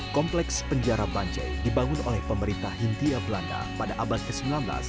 kompleks penjara banjai dibangun oleh pemerintah hindia belanda pada abad ke sembilan belas